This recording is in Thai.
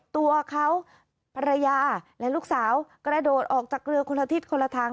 ตัวเขาภรรยาและลูกสาวกระโดดออกจากเรือคนละทิศคนละทาง